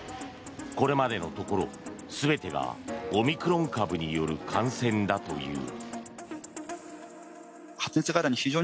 これまでのところ、全てがオミクロン株による感染だという。